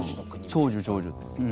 長寿、長寿。